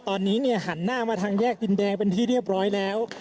ตอนนี้หันหน้ามาทางแยกดินแดงเป็นที่เรียบร้อยแล้ว